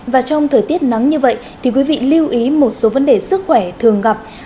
và trong thời tiết nắng như vậy thì quý vị lưu ý một số vấn đề sức khỏe thường gặp